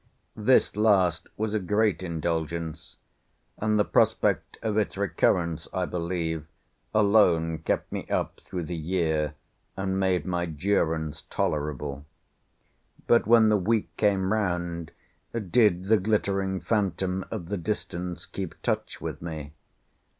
This last was a great indulgence; and the prospect of its recurrence, I believe, alone kept me up through the year, and made my durance tolerable. But when the week came round, did the glittering phantom of the distance keep touch with me?